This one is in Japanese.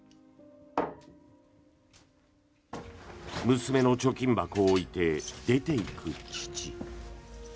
娘の貯金箱を置いて出ていく父。